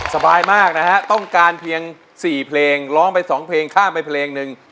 สบายมากนะฮะต้องการเพียง๔เพลงร้องไป๒เพลงข้ามไปเพลงหนึ่ง